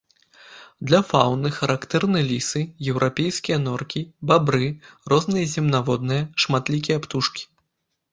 Для фаўны характэрны лісы, еўрапейскія норкі, бабры, розныя земнаводныя, шматлікія птушкі.